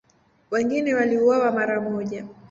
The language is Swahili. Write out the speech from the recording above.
Wengine waliuawa mara moja.